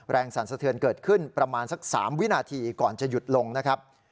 สั่นสะเทือนเกิดขึ้นประมาณสัก๓วินาทีก่อนจะหยุดลงนะครับ